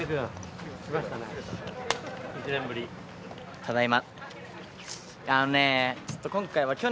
ただいま。